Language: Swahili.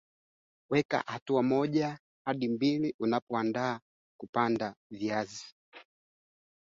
Uganda na Jamhuri ya Kidemokrasi ya Kongo Jumatano ziliongeza operesheni ya pamoja ya kijeshi